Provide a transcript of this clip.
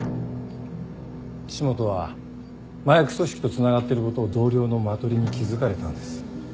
岸本は麻薬組織とつながっていることを同僚のマトリに気付かれたんです。